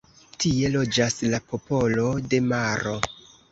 Tie loĝas la popolo de maro.